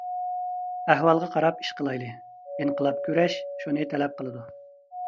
ئەھۋالغا قاراپ ئىش قىلايلى، ئىنقىلاب كۈرەش شۇنى تەلەپ قىلىدۇ.